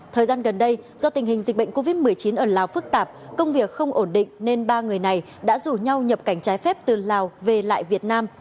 thời gian gần đây do tình hình dịch bệnh covid một mươi chín ở lào phức tạp công việc không ổn định nên ba người này đã rủ nhau nhập cảnh trái phép từ lào về lại việt nam